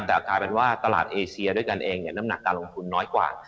แต่กลายเป็นว่าตลาดเอเชียด้วยกันเองน้ำหนักการลงทุนน้อยกว่า